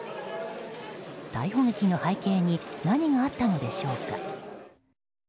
逮捕劇の背景に何があったのでしょうか。